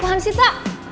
pohan sih ta